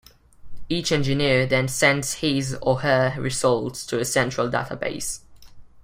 Each engineer then sends his or her results to a central database.